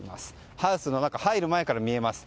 ハウスの中、入る前から見えます。